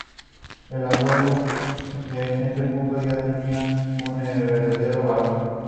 El abuelo, en ese punto, ya tenía un heredero varón.